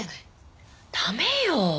駄目よ。